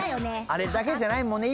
あれだけじゃないもんね。